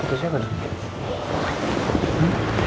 fotonya apa tuh